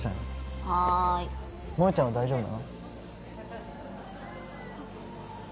萌ちゃんは大丈夫なの？